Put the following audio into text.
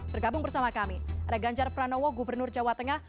bergabung bersama kami ada ganjar pranowo gubernur jawa tengah